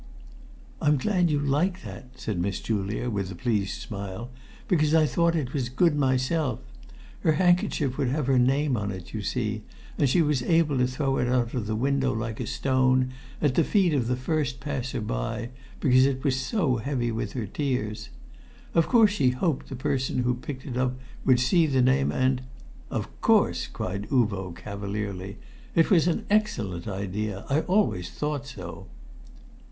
"I'm glad you like that," said Miss Julia, with a pleased smile, "because I thought it was good myself. Her handkerchief would have her name on it, you see; and she was able to throw it out of the window like a stone, at the feet of the first passer by, because it was so heavy with her tears. Of course she hoped the person who picked it up would see the name and " "Of course!" cried Uvo, cavalierly. "It was an excellent idea I always thought so."